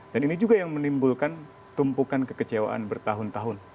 dan ini juga yang menimbulkan tumpukan kekecewaan bertahun tahun